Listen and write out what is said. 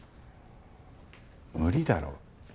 無理だろ。